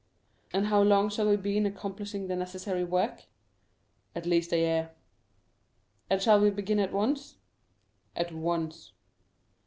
"And how long shall we be in accomplishing the necessary work?" "At least a year." "And shall we begin at once?" "At once."